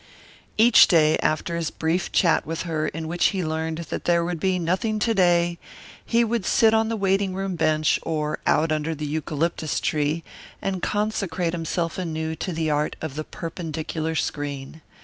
Each day, after his brief chat with her in which he learned that there would be nothing to day, he would sit on the waiting room bench or out under the eucalyptus tree and consecrate himself anew to the art of the perpendicular screen.